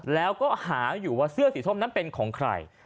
แล้วก็หาอยู่ว่าเสื้อสีส้มนั้นเป็นของใคร